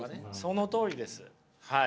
そのとおりですはい。